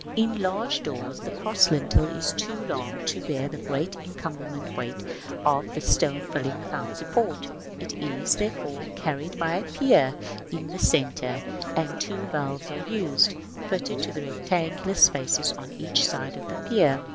In large doors the cross lintel is too long to bear the great incumbent weight of this stone filling without support; it is, therefore, carried by a pier in the centre; and two valves are used, fitted to the rectangular spaces on each side of the pier.